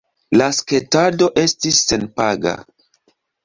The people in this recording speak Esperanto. La sketado estis senpaga.